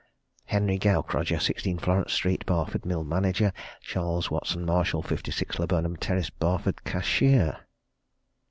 HENRY GAUKRODGER, 16, Florence Street, Barford, Mill Manager. CHARLES WATSON MARSHALL, 56, Laburnum Terrace, Barford, Cashier."